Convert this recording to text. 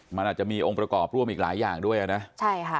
มันอาจจะมีองค์ประกอบร่วมอีกหลายอย่างด้วยอ่ะนะใช่ค่ะ